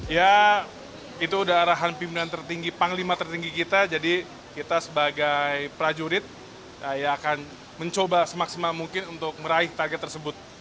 ya itu udah arahan pimpinan tertinggi panglima tertinggi kita jadi kita sebagai prajurit akan mencoba semaksimal mungkin untuk meraih target tersebut